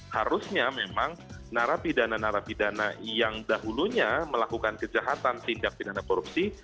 harusnya memang narapi dana narapi dana yang dahulunya melakukan kejahatan tindak pidana korupsi